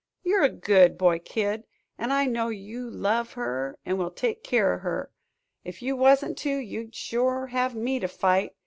You're a good boy, Kid. An' I know you love her an' will take keer o' her. Ef you wasn't to, you'd shore have me to fight!"